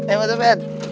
eh bapak ben